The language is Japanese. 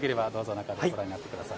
中でご覧になってください。